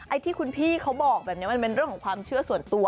ที่คุณพี่เขาบอกแบบนี้มันเป็นเรื่องของความเชื่อส่วนตัว